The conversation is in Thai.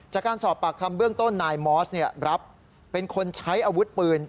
จากการสอบปากคำเบื้องต้นนายมอสรับเป็นคนใช้อาวุธปืน